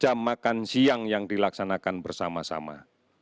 jam makan siang yang dilaksanakan bersama sama